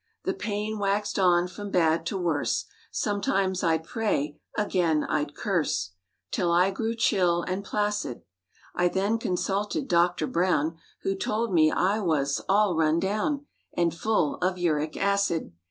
The pain waxed on from bad to worse; Sometimes I'd pray, again I'd curse, 'Till I grew chill and placid. I then consulted Doctor Browm, Who told me I was "all run down" And "full of uric acid."